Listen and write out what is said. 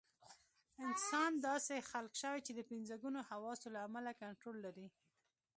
انسان داسې خلق شوی چې د پنځه ګونو حواسو له امله کنټرول لري.